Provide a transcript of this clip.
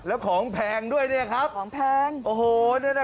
แล้วของแพงด้วยเนี่ยครับของแพงโอ้โหเนี่ยนะ